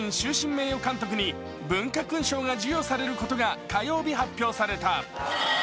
名誉監督に文化勲章が授与されることが火曜日、発表された。